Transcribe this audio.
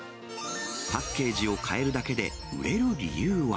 パッケージを変えるだけで売れる理由は。